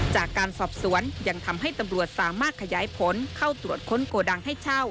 จากการสอบสวนยังทำให้ตำรวจสามารถขยายผลเข้าตรวจค้นโกดังให้เช่า